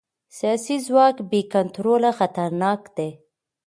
سیاسي ځواک بې کنټروله خطرناک دی